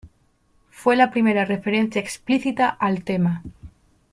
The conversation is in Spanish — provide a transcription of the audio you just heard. Fue la primera referencia explícita al tema.